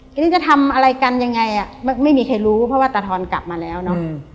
ทีนี้จะทำอะไรกันยังไงอ่ะไม่มีใครรู้เพราะว่าตาทอนกลับมาแล้วเนอะ